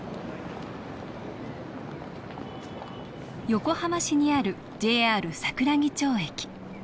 横浜市にあるＪＲ桜木町駅。